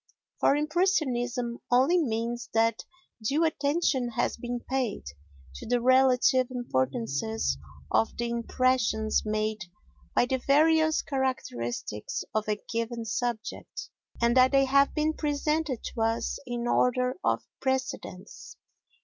For impressionism only means that due attention has been paid to the relative importances of the impressions made by the various characteristics of a given subject, and that they have been presented to us in order of precedence.